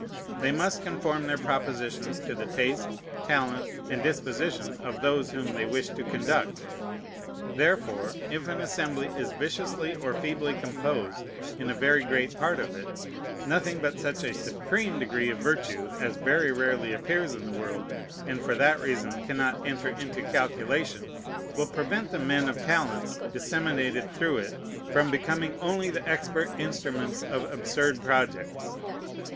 They must conform their propositions to the taste, talent, and disposition of those whom they wish to conduct: therefore, if an assembly is viciously or feebly composed in a very great part of it, nothing but such a supreme degree of virtue as very rarely appears in the world, and for that reason cannot enter into calculation, will prevent the men of talents disseminated through it from becoming only the expert instruments of absurd projects.